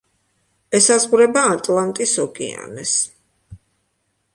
ესაზღვრება ატლანტის ოკეანეს.